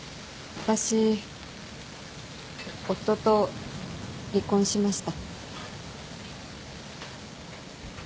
私夫と離婚しました。